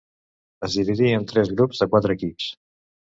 Es dividí en tres grups de quatre equips.